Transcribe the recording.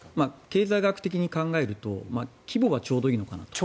経済学的に考えると規模はちょうどいいのかなと。